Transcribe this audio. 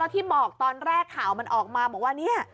ที่บอกตอนแรกข่าวมันออกมาบอกว่าเนี่ย